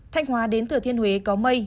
thanh hóa đến thừa thiên huế có mây